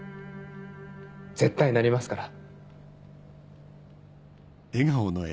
絶対なりますから。